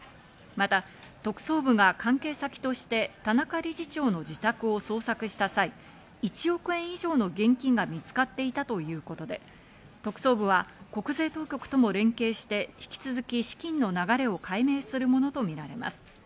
また特捜部が関係先として田中理事長の自宅を捜索した際、１億円以上の現金が見つかっていたということで、特捜部は国税当局とも連携して引き続き資金の流れを解明するものとみられます。